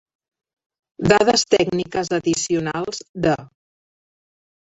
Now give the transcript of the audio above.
"Dades tècniques addicionals de"